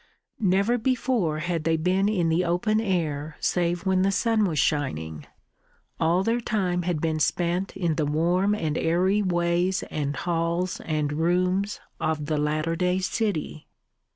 Never before had they been in the open air save when the sun was shining. All their time had been spent in the warm and airy ways and halls and rooms of the latter day city.